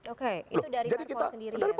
oke itu dari parpol sendiri ya